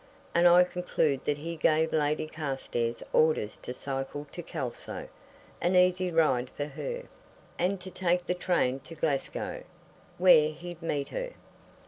And I conclude that he gave Lady Carstairs orders to cycle to Kelso an easy ride for her, and to take the train to Glasgow, where he'd meet her.